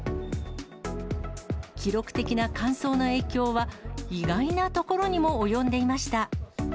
記録的な乾燥の影響は、意外な所にも及んでいました。